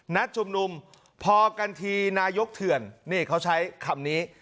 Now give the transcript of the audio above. นัดชุมนุมพอกันทีนายกเถื่อนนี่เขาใช้คำนี้